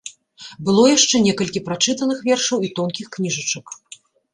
Было яшчэ некалькі прачытаных вершаў і тонкіх кніжачак.